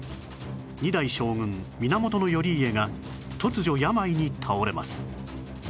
二代将軍源頼家が突如病に倒れます